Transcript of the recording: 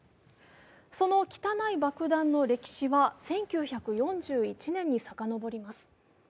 その汚い爆弾の歴史は１９４１年に遡ります。